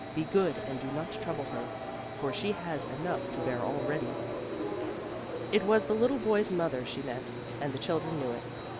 Be good and do not trouble her, for she has enough to bear already." It was the little boy's mother she meant, and the children knew it.